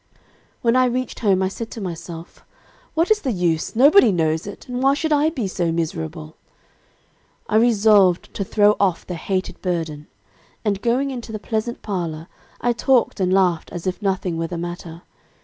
"When I reached home, I said to myself, 'what is the use, nobody knows it, and why should I be so miserable?' I resolved to throw off the hated burden, and, going into the pleasant parlor, I talked and laughed as if nothing were the matter.